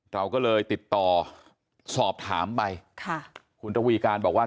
เราก็เลยติดต่อสอบถามไปค่ะคุณตวีการบอกว่า